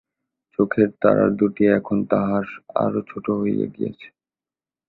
চোখের তারাদুটি এখন তাহার আরও ছোট হইয়া গিয়াছে।